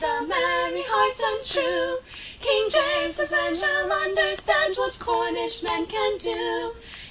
A merry heart and true! King James's men shall understand What Cornish lads can do!